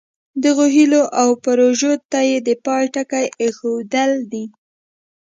دغو هیلو او پروژو ته د پای ټکی ایښودل دي.